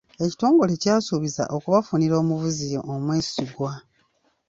Ekitongole kyasuubiza okubafunira omuvuzi omwesigwa.